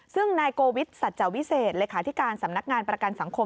ซึ่งนายโกวิทสัจวิเศษลักษณะการณ์ประกันสังคม